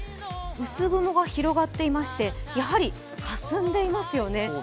薄雲が広がっていまして、やはりかすんでいますよね。